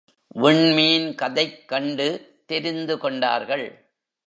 விண்மீன்கதைக் கண்டு தெரிந்து கொண்டார்கள்.